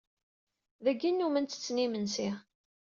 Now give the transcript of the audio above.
Dagi i nnumen tetttten imensi.